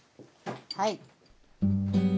はい。